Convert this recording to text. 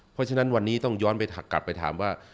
เพราะฉะนั้นวันนี้ต้องย้อนไปกลับไปถามว่า